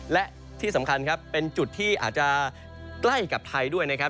และที่สำคัญครับเป็นจุดที่อาจจะใกล้กับไทยด้วยนะครับ